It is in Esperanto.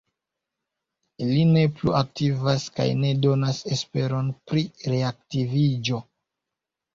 Ili ne plu aktivas kaj ne donas esperon pri reaktiviĝo.